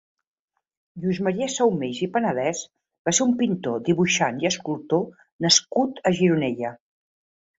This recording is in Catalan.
Lluís Maria Saumells i Panadés va ser un pintor, dibuixant i escultor nascut a Gironella.